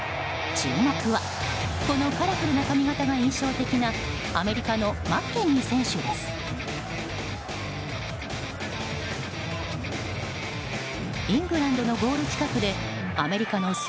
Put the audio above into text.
注目はこのカラフルな髪形が印象的なアメリカのマッケニー選手です。